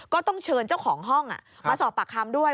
ก็ต้องเชิญเจ้าของห้องมาสอบปากคำด้วย